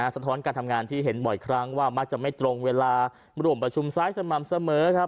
สะท้อนการทำงานที่เห็นบ่อยครั้งว่ามักจะไม่ตรงเวลาร่วมประชุมซ้ายสม่ำเสมอครับ